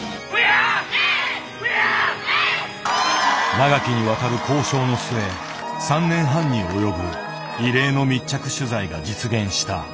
長きにわたる交渉の末３年半に及ぶ「異例の密着取材」が実現した。